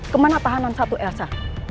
kemana tahanan satu elsa